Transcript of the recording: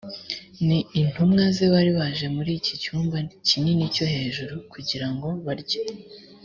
n intumwa ze bari baje muri iki cyumba kinini cyo hejuru kugira ngo barye